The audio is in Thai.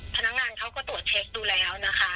พนักงานเขาก็ตรวจเช็คดูแล้วนะคะ